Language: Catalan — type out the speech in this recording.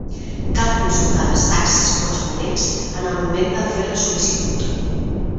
Cal consultar les taxes corresponents en el moment de fer la sol·licitud.